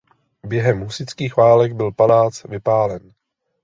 Během husitských válek byl palác vypálen.